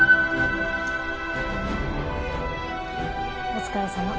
お疲れさま。